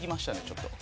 ちょっと。